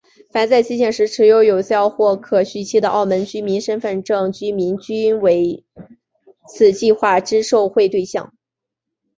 凡在限期时持有有效或可续期的澳门居民身份证居民均是为此计划之受惠对象。